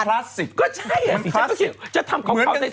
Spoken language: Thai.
มันคลาสสิตก็ใช่สิจะทำเขาใส่เป็นเพื่ออะไร